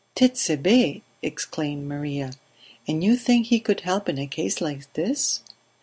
"Tit'Sebe!" exclaimed Maria. "And you think he could help in a case like this?"